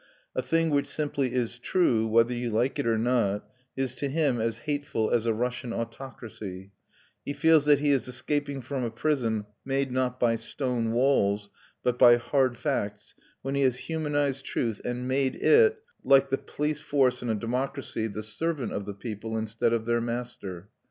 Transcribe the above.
A thing which simply is true, whether you like it or not, is to him as hateful as a Russian autocracy; he feels that he is escaping from a prison, made not by stone walls but by 'hard facts,' when he has humanised truth, and made it, like the police force in a democracy, the servant of the people instead of their master.